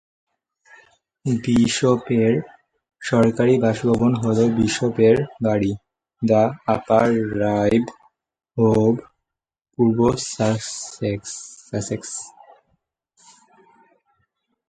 বিশপের সরকারি বাসভবন হল বিশপের বাড়ি, দ্য আপার ড্রাইভ, হোভ, পূর্ব সাসেক্স।